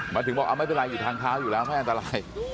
มาถึงบอกเอาไม่เป็นไรอยู่ทางเท้าอยู่แล้วไม่อันตราย